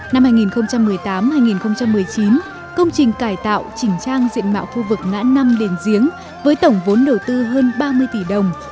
năm hai nghìn một mươi tám hai nghìn một mươi chín công trình cải tạo chỉnh trang diện mạo khu vực ngã năm đền giếng với tổng vốn đầu tư hơn ba mươi tỷ đồng